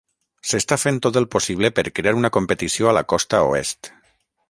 S'està fent tot el possible per crear una competició a la costa oest.